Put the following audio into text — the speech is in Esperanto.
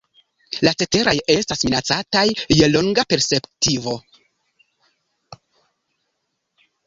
La ceteraj estas minacataj je longa perspektivo.